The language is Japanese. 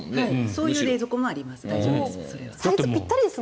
そういう冷蔵庫もあります。